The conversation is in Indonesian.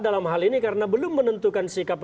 dalam hal ini karena belum menentukan sikap